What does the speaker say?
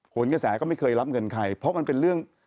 กระแสก็ไม่เคยรับเงินใครเพราะมันเป็นเรื่อง